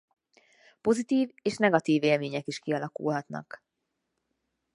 Pozitív és negatív élmények is kialakulhatnak.